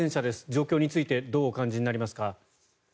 状況についてどうお感じになりますか？